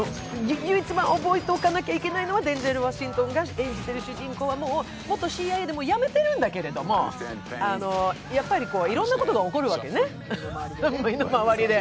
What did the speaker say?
唯一覚えておかなきゃいけないのは、デンゼル・ワシントンが演じている主人公は元ＣＩＡで、もう辞めてるんだけども、やっぱりいろんなことが起こるわけね身の回りで。